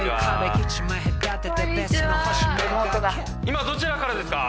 今どちらからですか？